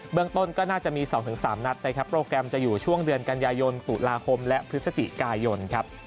เมืองต้นก็น่าจะมี๒๓นัดนะครับโปรแกรมจะอยู่ช่วงเดือนกันยายนตุลาคมและพฤศจิกายนครับ